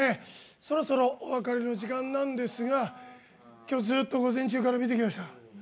そろそろお別れの時間なんですが今日、ずっと午前中から見てきました。